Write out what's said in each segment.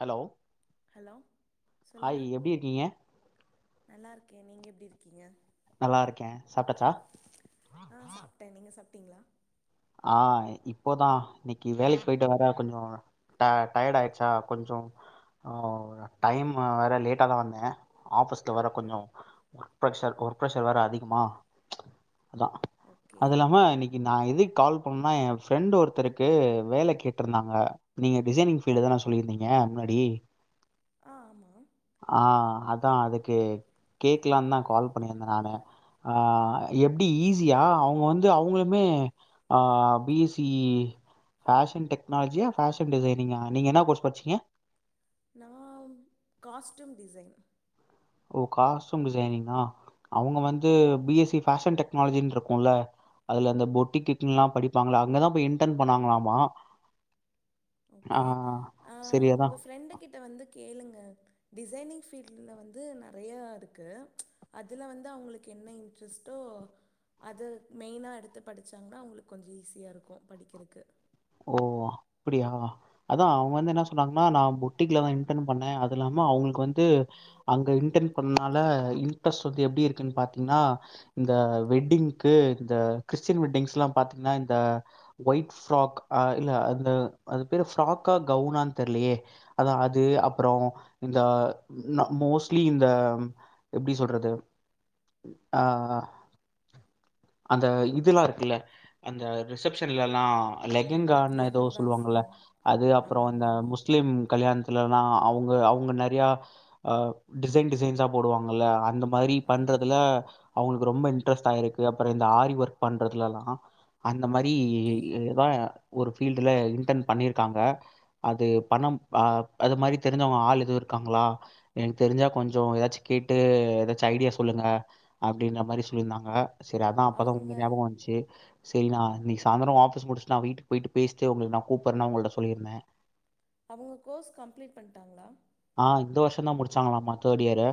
Hello hello சொல்லுங்க ஆய் எப்டி இருக்கீங்க நல்லா இருக்கே நீங்க எப்டி இருக்கீங்க நல்லா இருக்கே சாப்ட்டாச்சா ஆ சாப்ட்டே நீங்க சாப்ட்டீங்களா ஆ இப்பதா இன்னைக்கி வேலைக்கு பேயிட்டு வற கொஞ்சொ ட டயர்ட் ஆயிட்ச்சா கொஞ்சொ ஓ டைம் வேற லேட்டா தா வந்தே ஆஃபீஸ்ல வேற கொஞ்சோ ஒர்க்ப்ரஷர் ஒர்க்ப்ரஷர் வேற அதிகமா அதா ஓகே அது இல்லாம இன்னைக்கி நா இது கால் பண்ணா என் ஃப்ரெண்ட் ஒருத்தருக்கு வேல கேட்ருந்தாங்க நீங்க டிசைனிங் ஃபீல்டு தான சொல்லியிருந்தீங்க முன்னாடி ஆ ஆமா ஆ அதா அதுக்கு கேக்கலான் தா கால் பண்ணியிருந்தே நானு ஆ எப்டி ஈஸியா அவுங்க வந்து அவுங்களுமே ஆ பி எஸ் சி ஃபாஷன்டெக்னாலஜியா ஃபாஷன்டிசைனிங்கா நீங்க என்னா கோர்ஸ் படிச்சீங்க நா காஸ்ட்யூம் டிசைன் ஓ காஸ்டயூம் டிசைனிங்கா அவுங்க வந்து பி எஸ் சி ஃபேஷன் டெக்னாலஜின் இருக்குல்ல அதுல அந்த பொட்டிக் கிக்கிங்ல்லா படிப்பாங்கள அங்கதா போய் இன்டன் பண்ணாங்களாமா ஆ ஓகே ஆ சரி அதா உங்க ஃப்ரெண்டு கிட்ட வந்து கேளுங்க டிசைனிங் ஃபீல்ட்ல வந்து நறையாருக்கு அதுல வந்து அவுங்களுக்கு என்ன இன்ட்ரெஸ்ட்டோ அது மெயினா எடுத்து படிச்சாங்ன்னா அவுங்களுக்கு கொஞ்ச ஈஸியா இருக்கூ படிக்கறக்கு ஓ அப்டியா அதா அவுங்க வந்து என்னா சொன்னாங்கன்னா நா பொட்டிக்லதா இன்டன் பண்ணே அது இல்லாம அவுங்களுக்கு வந்து அங்க இன்டன் பண்ணனால இன்ட்ரெஸ்ட் வந்து எப்டி இருக்குன் பாத்தீங்கன்னா இந்த வெட்டிங்க்கு இந்த கிறிஸ்டின் வெட்டிங்ஸ்ல்லாம் பாத்தீங்ன்னா இந்த ஒயிட் ஃப்ராக் ஆ இல்ல அந்த அது பேரு ஃப்ராக்கா கவுனான் தெர்லையே அதா அது அப்பறோ இந்த மோஸ்லி இந்த எப்டி சொல்றது ஆ அந்த இதெல்லா இருக்குல்ல அந்த ரிசப்ஷன்லல்லா ம் லெகங்கான்னு எதோ லெஹங்காஸ் சொல்லுவாங்கல்ல அது அப்றோ ஆமா ஆமா இந்த ஆமா முஸ்லீம் கல்யாணத் துலனா அவுங்க அவுங்க நறையா டிசைன் டிசைன்ஸா போடுவாங்கல்ல அந்த மாரி ஆ பண்றதுல அவுங்களுக்கு ரொம்ப இன்ட்ரெஸ்ட் ஆயிருக்கு அப்பற இந்த ஆரி ஒர்க் பண்றதுலல்லா அந்த மாரி ஓகே எதான் ஒரு ஃபீல்டுல இன்டன் பண்ணிருக்காங்க அது பணம் ஆ அது மாதிரி தெரிஞ்சவுங்க ஆள் எதுவு இருக்காங்களா எனக்கு தெரிஞ்சா கொஞ்சோ எதாச்சு கேட்டு எதாச்சு ஐடியா சொல்லுங்க அப்டின்ற மாரி சொல்லிருந்தாங்க செரி அதா அப்பதா உங்க அவங்க ஞாபகம் வந்ச்சி சேரி நா நீக்கு சாயந்தரொ ஆபிஸ் முடிச்சுட்டு நா வீட்டுக்கு போயிட்டு பேஸ்ட்டு உங்களுக்கு நா கூப்பர்ன்னா அவுங்கள்ட்ட சொல்லிருந்தே அவுங்க கோர்ஸ் கம்ப்ளீட் பண்ட்டாங்களா ஆ இந்த வருஷந்தா முடிச்சாங்களாமா தேர்ட் இயரு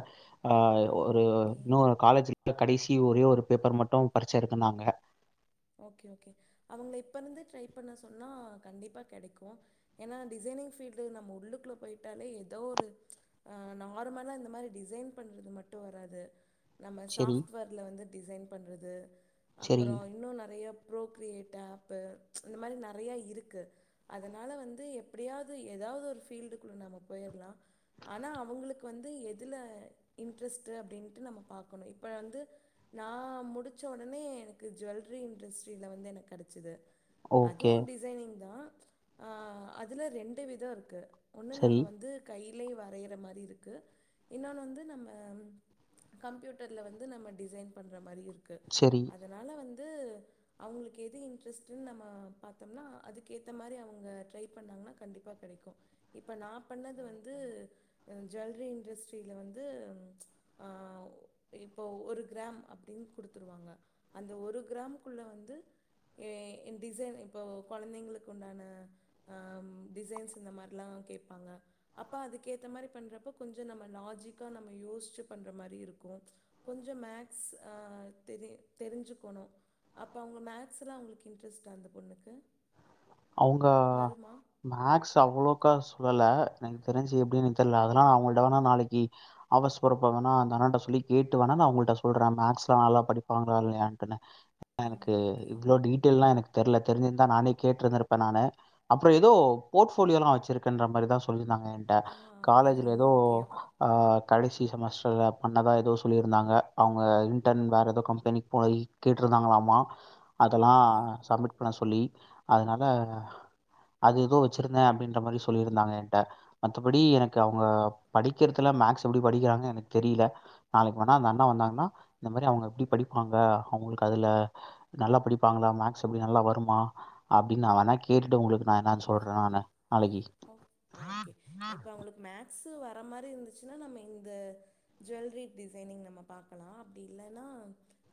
ஆ ஒரு இன்னூ காலேஜ்ல கடைசி ஒரே ஒரு பேப்பர் மட்டு பறிச்ச இருக்குனாங்க ஓகே ஓகே அவுங்க இப்ப இருந்து ட்ரை பண்ண சொன்னா கண்டிப்பா கெடைக்கூ ஏன்னா டிசைனிங் ஃபீல்டு நம்ம உள்ளுக்குள்ள போய்ட்டாலே எதோ ஒரு அ நார்மலா இந்த மாரி டிசைன் பண்றது மட்டு வராது நம்ம சரி, சாஃப்ட்வேர்ல வந்து டிசைன் பண்றது சரி, அப்பறொ இன்னொ ந நறைய ப்ரோ கிரியேட் ஆப்பு இந்த மாரி நறைய இருக்கு அதனால வந்து எப்பிடியாவ்து எதாவது ஒரு ஃபீல்டுக்குள்ள நம்ம போயிட்லா ஆனா அவங்களுக்கு வந்து எதுல இன்ட்ரெஸ்ட்டு அப்டின்ட்டு நம்ம பார்க்கணும் இப்ப வந்து நா முடிச்ச உடனே எனக்கு ஜுவல் ரிஇன்டஸ்டிரி வந்து எனக்கு கிடைச்சது ஓகே. அதுவும் டிசைனிங் தான் ஆ அதில ரெண்டு விதம் இருக்கு ஒன்னு சரி, நம்ம வந்து கையிலேயே வரையற மாதிரி இருக்கு இன்னொன்னு வந்து நம்ம கம்ப்யூட்டர்ல வந்து நம்ம டிசைன் பண்ற மாரியு இருக்கு சரி. அதனால வந்து அவங்களுக்கு எது இன்ட்ரெஸ்ட் நம்ம பா்த்தோம்னா அதுக்கேத்த மாரி அவுங்க ட்ரை பண்ணாங்கன்னா கண்டிப்பா கிடைக்கும் இப்ப நா பண்ணது வந்து ஜுவல்லரி இண்டஸ்ட்ரியில வந்து ஆ இப்போ ஒரு கிராம் அப்டின்னு குடுத்துருவாங்க அந்த ஒரு கிராமக்குள்ள வந்து ஏ டிசைன் இப்போ குழந்தைங்களுக்கு உண்டான ஆ டிசைன்ஸ் இந்த மாரிலாம் கேட்பாங்க அப்ப அதுக்கு ஏத்த மாரி பண்றப்ப கொஞ்சம் நம்ம லாஜிக்கா நம்ம யோசிச்சு பண்ற மாரி இருக்கும் கொஞ்சம் மேக்ஸ் அ தெரி தெரிஞ்சுக்கணும் அப்போ அவுங்க மேக்ஸ்லாம் அவங்களுக்கு இன்ட்ரெஸ்ட்டா அந்த பொண்ணுக்கு அவுங்க வருமா மேக்ஸ் அவ்ளோக்கா சொல்லல எனக்கு தெரிஞ்சு எப்டி எனக்கு தெரியல அதெல்லா நா அவங்கள்ட வேணா நாளைக்கு ஆபீஸ் போறப்பாங்கன்னா அந்த அண்ணாட்ட சொல்லி கேட்டு வேணா நான் உங்க கிட்ட சொல்றேன் மேக்ஸ் எல்ல நல்ல படிப்பாங்களா இல்லயான்னுட்‌‌‌டு எனக்கு ஓகே இவ்ளோ டீடெய்ல்லாம் எனக்கு தெர்ல தெரிஞ்சிருந்தா நானே கேட்டுந்திரு நானு அப்பறம் ஏதோ போர்ட்ப போலியோலாம் வச்சிருக்கன்ற மாரி தான் சொல்லிருந்தாங்க ட்ட ஆ அது காலேஜ்ல ரொம்ப ஏதோ முக்கியம் ஆ கடைசி செமஸ்டரில் பண்ணதான் ஏதோ சொல்லியிருந்தாங்க அவுங்க இன்டர்ன் வேற ஏதோ கம்பெனிக்கு போய் கேட்டுருந்தாங்களாமா ஆ ஆமா அதெல்லாம் சப்மிட் பண்ண சொல்லி அதனால அது ஏதோ வச்சிருந்தேன் அப்டின்ற மாரி சொல்லியிருந்தாங்க என்கிட்ட மத்தபடி எனக்கு அவுங்க படிக்கிறதுல மேக்ஸ் எப்டி படிக்கிறாங்க எனக் தெரில நாளைக்கு வேணா அந்த அண்ணா வந்தாங்கன்னா இந்த மாதிரி அவுங்க எப்டி படிப்பாங்க அவுங்களுக்கு அதுல நல்லா படிப்பாங்களா மேக்ஸ் எப்டி நல்லா வருமா அப்ப நான் வேணா கேட்டுட்டு உங்களுக்கு நான் என்னன்னு சொல்றேன் நான் நாளைக்கு சூ வர மாரி இருந்துச்சுன்னா நம்ம இந்த ஜுவல்லரி டிசைனிங் நம்ம பாக்கலாம் அப்டி இல்லைன்னா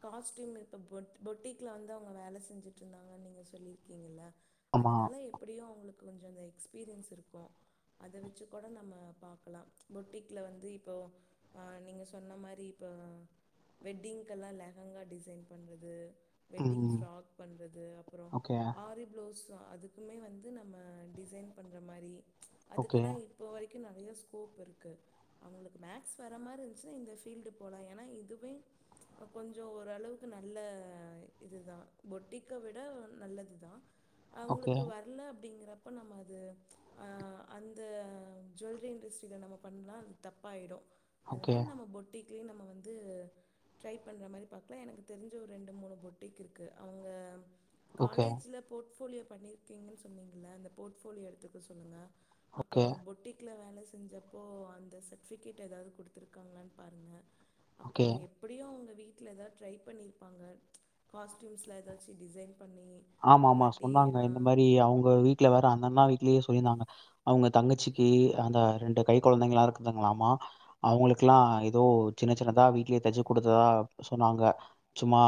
காஸ்ட்டியூம் இப்ப பொட்டிக்ல வந்து அவங்க வேலை செஞ்சுட்டு இருந்தாங்கன்னு நீங்க சொல்லிருக்கீங்கல்ல ஆமா. அதுனால எப்படியு உவங்களுக்கு கொஞ்ச அந்த எக்ஸ்பீரியன்ஸ் இருக்கு அத வச்சு கூட நம்ம பார்க்கலாம் பொட்டிகல வந்து இப்போ ஆ நீங்க சொன்ன மாரி இப்ப வெட்டிங்கெல்லாம் லெஹங்கா டிசைன் பண்ணுறது வெட்டிங் ம். ஃப்ராக் பண்றது அப்பறோ ஓகே. ஆரி ப்ளவுஸ் அதுக்குமே வந்து நம்ம டிசைன் பண்ற மாரி ஓகே. அதுக்கெல்லாம் இப்போ வரைக்கும் நறையா ஸ்கோப் இருக்குது அவங்களுக்கு மேக்ஸ் வர மாரி இருந்துச்சுனா இந்த ஃபீல்டு போகலாம் ஏன்னா இதுவே கொஞ்சம் ஓரளவுக்கு நல்ல இதுதான் பொட்டிக்க விட நல்லதுதான் ஓகே. அவுங்களுக்கு வரல அப்டிங்கறப்ப அப்ப நம்ம அது அ அந்த ஜுவல்லரி இண்டஸ்ட்ரியில நம்ம பண்ணலாம் அது தப்பாயிடும் ஓகே. அதனால நம்ம பொட்டிக்குலயும் நம்ம வந்து ட்ரை பண்ற மாரி பாக்லா எனக்கு தெரிஞ்ச ஒரு ரெண்டு மூணு பொட்டிக் இருக்கு அவங்க ஓகே. காலேஜ்ல போர்ட்ஃபோலியோ பண்ணிருக்கீங்கன்னு சொன்னீங்க அந்த போர்ட்ஃபோலியோ எடுத்துக்க சொல்லுங்க ஓகே. அப்றோ பொட்டிக் ட்ல வேல செஞ்சப்போ அந்த சர்டிவிகேட் ஏதாவது குடுத்துருக்காங்களானு பாருங்க அப்பறோ ஓகே. எப் படியு அவுங்க வீட்ல எதா ட்ரை பண்ணிருப்பாங்க காஸ்டியூம்ஸில ஏதாச்சி டிசைன் பண்ணி ஆமா ஆமா இல்லாட்டி சொன்னாங்க ஆ இந்த மாரி அவுங்க வீட்ல வேற அந்த அண்ணா வீட்லேயே சொல்லியிருந்தாங்க அவுங்க தங்கச்சிக்கி அந்த ரெண்டு கை கொழந்தைங்களா இருக்குதுங்களாமா அவுங்களுக்குல்லா ஏதோ சின்ன சின்னதா வீட்லயே தைச்சி குடுத்ததா சொன்னாங்க சும்மா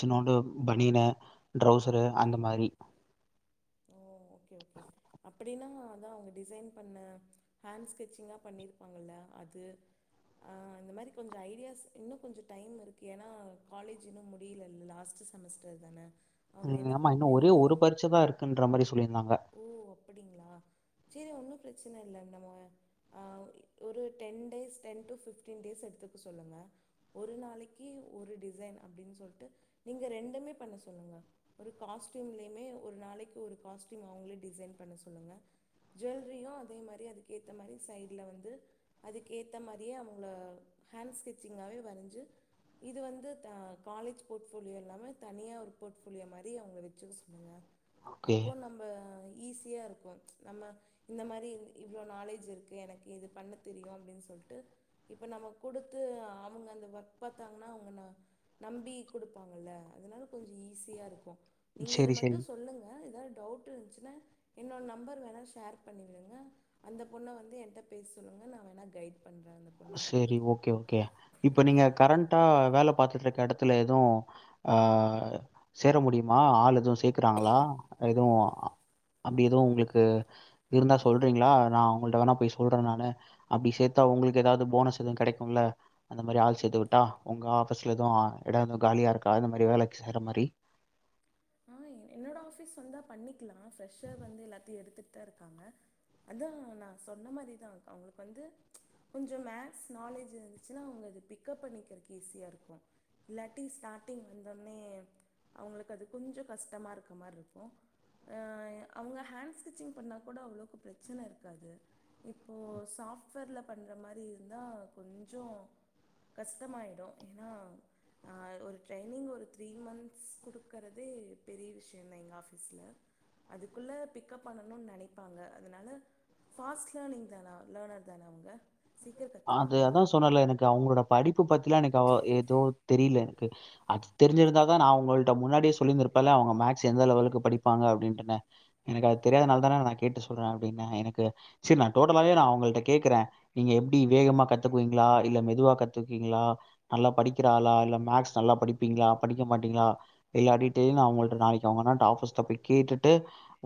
சின்னோண்டு பனியனு ட்ரௌசரு அந்த மாரி ஓ ஓகே ஓகே அப்டின்னா அதா அவுங்க டிசைன் பண்ண ஹேண்ட் ஸ்கெட்சிங்கா பண்ணியிருப்பாங்கல்ல அது ஆ அந்த மாரி கொஞ்சோ ஐடியாஸ் இன்னோ கொஞ்ச டைம் இருக்கு ஏன்னா காலேஜ் இன்னு முடியலல லாஸ்ட்டு செமஸ்டர்தான ம் ஆமா இன்னு ஒரே ஒரு பரிட்சதா இருக்குன்ற மாரி சொல்லியிருந்தாங்க ஓ அப்படிங்களா சேரி ஒன்னு பிரச்சன இல்ல நம்ம அ ஒரு ten days ten two fifteen days எடுத்துக்க சொல்லுங்க ஒரு நாளைக்கி ஒரு டிசைன் அப்டின்னு சொல்ட்டு நீங்க ரெண்டுமே பண்ண சொல்லுங்க ஒரு காஸ்டியும்லயிமே ஒரு நாளைக்கு ஒரு காஸ்ட் யும் அவுங்களே டிசைன் பண்ண சொல்லுங்க ஜுவல்லரியு அதே மாரி அதுக்கு ஏத்த மாரி சைடுல வந்து அதுக்கு ஏத்தா மாரியே அவுங்கள ஹேண்ட் ஸ்கெங்சிங்காவே வரஞ்சி இது வந்து த காலேஜ் போர்ட்ஃபோலியோ இல்லாம தனியா ஒரு போர்ட்ஃபோலியோ மாரி அவுங்க வெச்சிக்க சொல்லுங்க ஓகே அப்போ நம்ப ஈஸியா இருக்கு நம்ம இந்த மாரி இவ்ளோ நாலேஜ் இருக்கு எனக்கு இது பண்ண தெரியு அப்டின்னு சொல்ட்டு இப்ப நம்ம குடுத்து அவுங்க அந்த ஒர்க் பாத்தாங்கன்னா அவுங்க ந நம்பி குடுப்பாங்கல்ல அதனால கொஞ்சோ ஈஸியா இருக்கு நீங்க இது சரி மட்டு சரி சொல்லுங்க ஏதாவது டவுட் இருந்துச்சினா என்னோட நம்பர் வேணா ஷேர் பண்ணிவிடுங்க அந்த பொண்ண வந்து ஏன்ட்ட பேச சொல்லுங்க நா வேணா கைட் பண்ற அந்த பொண்ணை சேரி ஓகே ஓகே இப்ப நீங்க கரண்ட்டா வேல பாத்துட்டு இருக்க எடத்துல எதுவு ஆ சேர முடியுமா ஆள் எதுவு சேக்கறாங்களா எதுவு அப்டி எதுவு உங்களுக்கு இருந்தா சொல்றீங்களா நா அவங்கள்ட்ட வேணா போய் சொல்ற நானு அப்டி சேத்தா உங்களுக் கு ஏதாவது போனஸ் எதுவு கடைக்கும்ல அந்த மாரி ஆள் சேத்து வுட்டா உங்க ஆபீஸ்ல எதுவு எட எதும் காலியா இருக்கா அந்த மாரி வேலைக்கு செய்ற மாரி ஆ என்னோட ஆஃபீஸ் வந்தா பண்ணிக்கலா ஃப்ரெஷ்ஷர் வந்து எல்லாத்தையு எடுத்துட்டுதா இருக்காங்க அதா நா சொன்ன மாரிதா அவுங்களுக்கு வந்து கொஞ்சோ மேக்ஸ் நாலேஜ் இருந்துச்சின்னா அவுங்க அது பிக்கப் பண்ணிக்கறதுக்கு ஈஸியா இருக்கு இல்லாட்டி ஸ்டார்ட்டிங் வந்த ஒன்னே அவுங்களுக்கு அது கொஞ்சோ கஷ்டமா இருக்க மாரி இருக்கு அ அவுங்க ஹேண்ட் ஸ்டிச்சிங் பண்ணா கூட அவ்ளோக்கு பிரச்சன இருக்காது இப்போ சாஃப்ட்வேர்ல பண்ற மாரி இருந்தா கொஞ்சோ கஷ்டமாயிடு ஏன்னா அ ஒரு ட்ரைனிங் ஒரு த்ரீ மந்த்ஸ் குடு க்கறதே பெரிய விஷயந்தா எங்க ஆஃபீஸ்ல அதுக்குள்ள பிக்கப் பண்ணணு நெனைப்பாங்க அதனால ஃபாஸ்ட் லேர்னிங்தானா லேர்னர்தான அவுங்க அது அதா சொன்னல எனக்கு அவுங்களோட படிப்பு பத்தில்லா எனக்கு அவ எதோ தெரில எனக்கு அது தெரிஞ்சிருந்தா தா நா உங்கள்ட்ட முன்னாடியே சொல்லிந்திருப்பல்ல அவுங்க மேக்ஸ் எந்த லெவலுக்கு படிப்பாங்க அப்டின்டனு எனக்கு அது தெரியாதனால தான நா கேட்டு சொல்ற அப்டின்ன எனக்கு செரி நா டோட்டலாவே நா அவுங்கள்ட்ட கேக்குற நீங்க எப் ப்டி வேகமா கத்துக்குவீங்ளா இல்ல மெதுவா கத்துக்குவீங்ளா நல்லா படிக்கிற ஆளா இல்ல மேக்ஸ் நல்லா படிப்பீங்ளா படிக்க மாட்டீங்ளா இல்லாட்டிடேயு நா அவுங்கள்ட்ட நாளைக்கு அவங்க அண்ணன்ட்ட ஆஃபீஸ்ட போய் கேட்டுட்டு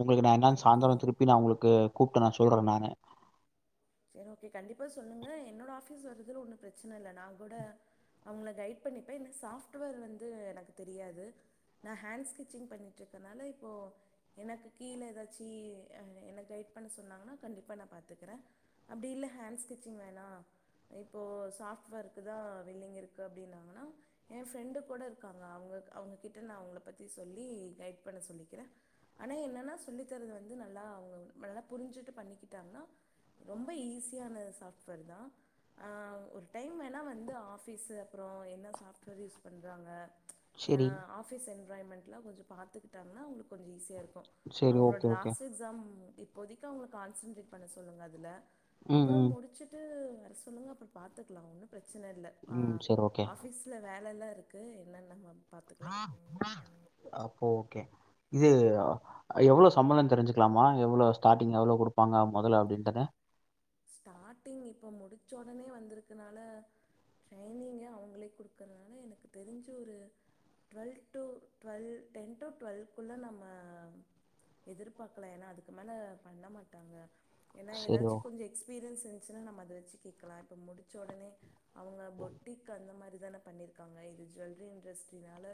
உங்குளுக்கு நா என்னான் ஓகே சாயந்தரோ திருப்பி நா உங்குளுக்கு கூப்ட்டு நா சொல்றேன் நானு சரி ஓகே கண்டிப்பா சொல்லுங்க என்னோட ஆஃபீஸ் வர்றதுல ஒன்னு பிரச்சன இல்ல நா கூட அவங்கள கைட் பண்ணிப்பே என்ன சாஃப்ட்வேர் வந்து எனக்கு தெரியாது நா ஹேண்ட் ஸ்கெச்சிங் பண்ணிட்ருக்கனால இப்போ எனக்கு கீழ எதாச்சு அ என்ன கைட் பண்ண சொன்னாங்கன்னா கண்டிப்பாக நா பாத்துக்குறே அப்டி இல்ல ஹேண்ட் ஸ்கெச்சிங் வேணா இப்போ சாஃப்ட்வேர்க்கு தா வில்லிங் இருக்கு அப்டின்னாங்கன்னா ஏன் ஃப்ரெண்டு கூட இருக்காங்க அவங்க அவங்ககிட்ட நா அவங்கள பத்தி சொல்லி கைட் பண்ண சொல்லிக்கிறே ஆனா என்னென்னா சொல்லித்தரது வந்து நல்லா அவங்க நல்லா புரிஞ்சுட்டு பண்ணிக்கிட்டாங்கன்னா ரொம்ப ஈஸியான சாஃப்ட்வேர் தா ஆ ஒரு டைம் வேணா வந்து ஆஃபீஸ்சு அப்றோ என்ன சாஃப்ட்வேர் யூஸ் பண்றாங்க யா சரி, ஆஃபீஸ் என்வ்ராயிமெண்ட்லா கொஞ்சோ பாத்துக்குட்டாங்கன்னா அவுங்களுக்கு கொஞ்சோ ஈஸியா இருக்கு சரி. அவங்களோட ஓகே, ஓகே. லாஸ்ட் எக்ஸாம் இப்போதைக்கு அவங்கள கான்சென்ட்ரேட் பண்ண சொல்லுங்க அதுல ம், அப்றோ ம், முடிச்சுட்டு வர சொல்லுங்க அப்றோ பாத்துக்கலா ஒன்னு பிரச்சன இல்ல ஆ ம். சரி ஓகே. ஆஃப் ஆஃபிஸ்ல வேலல்லா இருக்கு என்னென்ன [inaudible] அப்போ ஓகே இது அ எவ்ளோ சம்பளன் தெரிஞ்சுக்குலாமா எவ்ளோ ஸ்டார்டிங் எவ்ளோ குடுப்பாங்க மொதல அப்டின்ட்டுனு ஸ்டார்ட்டிங் இப்ப முடிச்ச ஒடனே வந்துருக்குனால ட்ரைனிங்கே அவுங்களே குடுக்கறனால எனக்கு தெரிஞ்சி ஒரு twelve two twelve ten two டுவெல்குள்ள நம்ம எதிர்பாக்லா ஏனா அதுக்கு மேல பண்ண மாட்டாங்க ஏனா சரி, ஓ எதாச்சு கொஞ்சோ எக்ஸ்பீரியன்ஸ் இருந்துச்சுனா நம்ம அத வச்சு கேக்லா இப்ப முடிச்ச ஒடனே அவுங்க பொட்டிக் அந்த மாரி தான பண்ணிருக்காங்க இது ஜுவல்ரி இண்டஸ்ட்ரினால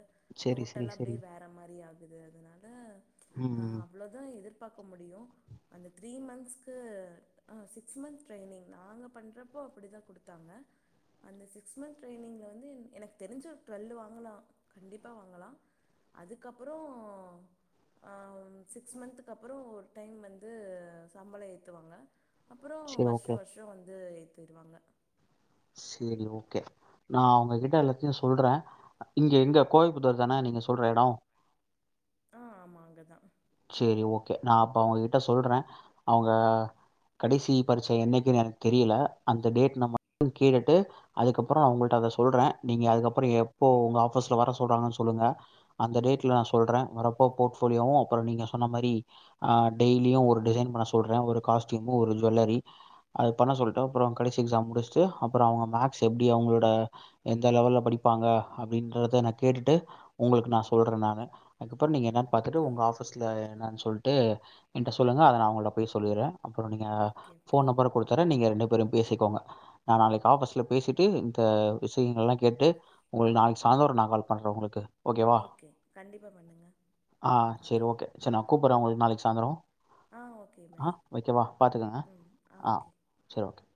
சரி, சரி, டோட்டலா அப்டே சரி. வேற மாரி ஆகுது அதனால ஆ ம் அவ்ளோதா எதிர்பாக்க முடியு அந்த த்ரீ மந்த்சுக்கு ஆ சிக்ஸ் மந்த் ட்ரைனிங் நாங்க பண்ணுறப்போ அப்டிதா குடுத்தாங்க அந்த சிக்ஸ் மந்த் ட்ரைனிங்ல வந்து என் எனக்கு தெரிஞ்சு ஒரு டுவெல் வாங்கலா கண்டிப்பா வாங்கலா அதுக்கப்றோ ஆ சிக்ஸ் மந்த்துக்கு அப்றோ ஒரு டைம் வந்து சம்பளோ ஏத்துவாங்க அப்பறோ சேரி வர்ஷோ ஓகே வர்ஷோ வந்து ஏத்திருவாங்க செரி ஓகே நா அவுங்ககிட்ட எல்லாத்தையு சொல்றே இங்க எங்க கோவில்புத்தூர் தான நீங்க சொல்ற எடோ ஆ ஆமா அங்கதா செரி ஓகே நா அப்ப அவுங்ககிட்ட சொல்றே அவுங்க கடைசி பரிச்ச என்னைக்குனு எனக்கு தெரில அந்த டேட் நா மட்டு கேட்டுட்டு அதுக்கப்றோ அவுங்கள்ட்ட அத சொல்றே நீங்க அதுக்கப்றோ எப்போ உங்க ஆஃபீஸ்ல வர சொல்றாங்கனு சொல்லுங்க அந்த டேட்டல நா சொல்றே வரப்போ போர்ட் ஃபோலியோவு அப்றோ நீங்க சொன்ன மாரி ஆ டெய்லியு ஒரு டிசைன் பண்ண சொல்றே ஒரு காஸ்டியூமு ஒரு ஜுவல்லரி அது பண்ண சொல்ட்டு அப்றோ கடைசி எக்ஸாம் முடிச்சுட்டு அப்பறோ அவங்க மேக்ஸ் எப்படி அவங்களோட எந்த லெவல்ல படிப்பாங்க அப்டின்றத நா கேட்டுட்டு உங்களுக்கு நா சொல்ற நானு அதுக்கப்றோ நீங்க என்னன்னு பாத்துட்டு ஓகே உங்க ஆபீஸ்ல என்னன்னு சொல்ட்டு என்ட்ட சொல்லுங்க அத நா மொள்ள போய் சொல்லிற அப்பறோ நீங்க ஓகே ஓகே போன் நம்பர் கொடுத்தர நீங்க ரெண்டு பேரு பேசிக்கோங்க நா நாளைக்கு ஆஃபீஸ்ல பேசிட்டு இந்த விஷயங்கள்ல்லா கேட்டு உங்களுக்கு நாளைக்கு சாய்ந்தரோ நா கால் பண்ற உங்களுக்கு ஓகேவா ஓகே கண்டிப்பா பண்ணுங்க ஆ ம் ஓகே சேரி நா கூப்பற உங்களுக்கு நாளைக்கு சாய்ந்தரோ ஆ ஓகே ஆ பாய் ஓகேவா பாத்துக்கங்க ம் ஆ ஓகே சரி ஓகே